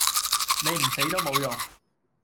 你唔死都無用